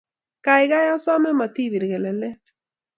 Kaigai, asome matipir kelelet.